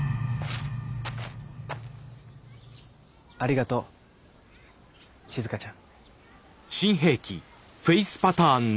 ありがとうしずかちゃん。